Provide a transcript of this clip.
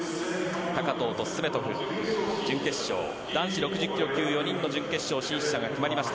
高藤とスメトフ準決勝、男子６０ｋｇ級４人の準決勝が決まりました。